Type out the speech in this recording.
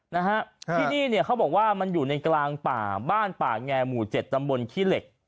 นะฮะที่นี่เนี่ยเขาบอกว่ามันอยู่ในกลางป่าบ้านป่าแงหมู่เจ็ดตำบลขี้เหล็ก